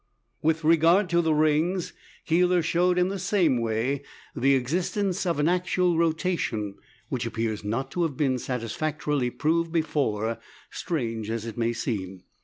With regard to the rings, Keeler showed in the same way the existence of an axial rotation, which appears not to have been satisfactorily proved before, strange as it may seem.